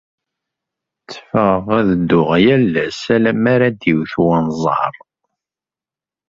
Tteffɣeɣ ad dduɣ yal ass, ala mi ara d-iwet unẓar.